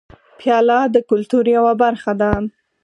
پیاله د کلتور یوه برخه ده.